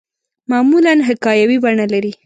معمولاً حکایوي بڼه لري.